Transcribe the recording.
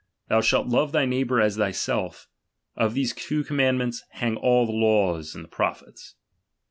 Thou shalt love thy neighbour as ■thyself. On these two commartdments hang all ^he law and the prophets.